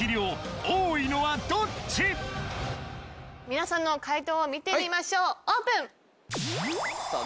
皆さんの解答を見てみましょうオープン！